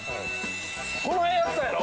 この辺やったやろ？